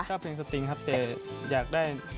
ชอบเพลงสตริงครับถ้าอยากได้